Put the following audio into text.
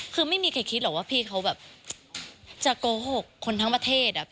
คือไม่มีใครคิดหรอกว่าพี่เขาแบบจะโกหกคนทั้งประเทศ